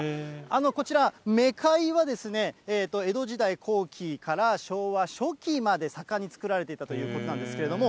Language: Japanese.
こちら、メカイはですね、江戸時代後期から昭和初期まで盛んに作られていたということなんですけども。